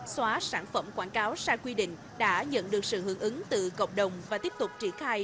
xóa sản phẩm quảng cáo sai quy định đã nhận được sự hưởng ứng từ cộng đồng và tiếp tục triển khai